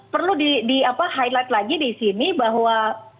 perlu di highlight lagi di sini bahwa